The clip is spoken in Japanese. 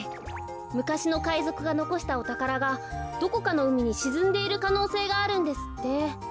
むかしのかいぞくがのこしたおたからがどこかのうみにしずんでいるかのうせいがあるんですって。